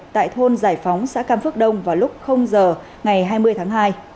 tại thôn giải phóng xã cam phước đông vào lúc giờ ngày hai mươi tháng hai